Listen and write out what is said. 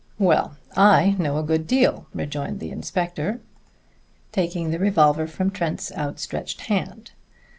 "Well, I know a good deal," rejoined the inspector quietly, taking the revolver from Trent's outstretched hand.